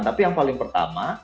tapi yang paling pertama